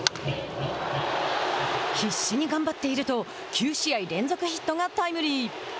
必死に頑張っていると９試合連続ヒットがタイムリー。